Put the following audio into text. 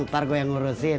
ntar gue yang ngurusin